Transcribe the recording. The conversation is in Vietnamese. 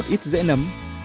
một ít dễ nấm